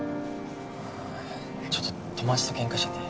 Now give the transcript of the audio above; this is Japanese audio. ああちょっと友達と喧嘩しちゃって。